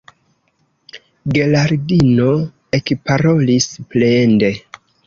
Geraldino ekparolis plende: